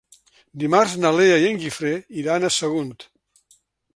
Dimarts na Lea i en Guifré iran a Sagunt.